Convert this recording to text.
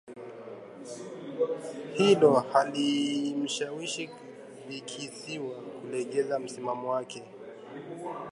hilo halimshawishi Bikisiwa kulegeza msimamo wake